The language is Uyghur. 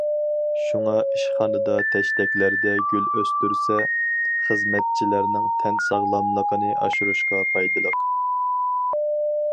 شۇڭا ئىشخانىدا تەشتەكلەردە گۈل ئۆستۈرسە، خىزمەتچىلەرنىڭ تەن ساغلاملىقىنى ئاشۇرۇشقا پايدىلىق.